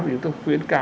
mình khuyến cá